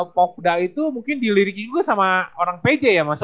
popda itu mungkin diliriki juga sama orang pj ya